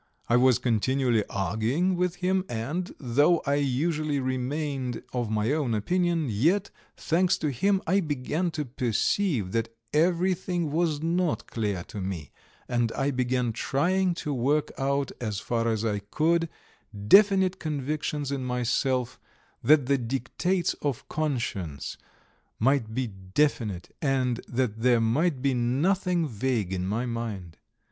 I was continually arguing with him and, though I usually remained of my own opinion, yet, thanks to him, I began to perceive that everything was not clear to me, and I began trying to work out as far as I could definite convictions in myself, that the dictates of conscience might be definite, and that there might be nothing vague in my mind.